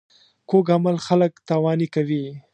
کوږ عمل خلک تاواني کوي